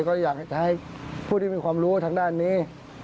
ก็อยากจะให้ผู้ที่มีความรู้ทางด้านนี้